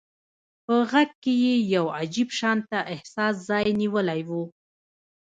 په غږ کې يې يو عجيب شانته احساس ځای نيولی و.